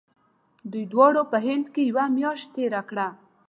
دوی دواړو په هند کې یوه میاشت تېره کړه.